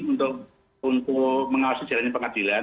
untuk mengawasi jalannya pengadilan